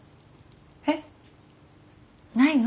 えっ？ないの？